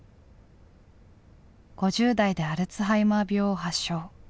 ５０代でアルツハイマー病を発症。